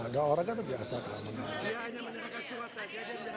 nah orang kan biasa kalah menang